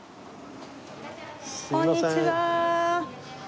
こんにちは。